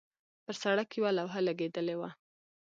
پر سړک یوه لوحه لګېدلې وه.